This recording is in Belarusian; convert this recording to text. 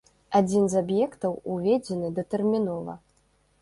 Адзін з аб'ектаў уведзены датэрмінова.